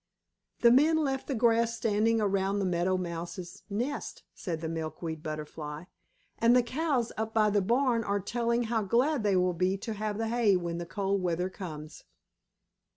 "The men left the grass standing around the Meadow Mouse's nest," said the Milkweed Butterfly, "and the Cows up by the barn are telling how glad they will be to have the hay when the cold weather comes."